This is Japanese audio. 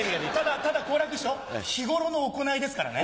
ただ好楽師匠日頃の行いですからね。